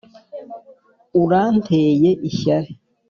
uranteye ishyari.